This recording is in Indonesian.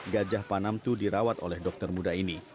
gajah panamtu dirawat oleh dokter muda ini